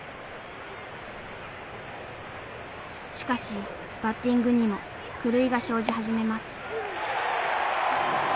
しかしバッティングにも狂いが生じ始めます。